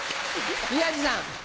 宮治さん。